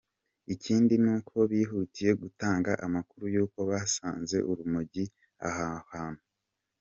Ikindi ni uko bihutiye gutanga amakuru y’uko basanze urumogi aho hantu.